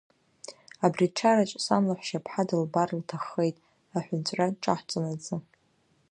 Абри ачараҿ сан лаҳәшьа ԥҳа дылбар лҭаххеит, аҳәынҵәра ҿаҳҵонаҵы.